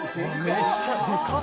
「めちゃでかっ！」